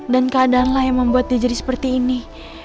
dan keadaanlah yang membuat dia jadi seperti ini